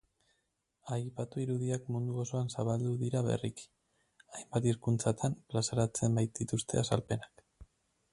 Aipatu irudiak mundu osoan zabaldu dira berriki, hainbat hizkuntzatan plazaratzen baitituzte azalpenak.